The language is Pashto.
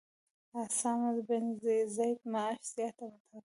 اسامه بن زید معاش زیات وټاکه.